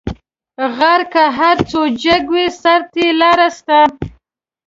غر که هر څو جګ وي؛ سر ته یې لار سته.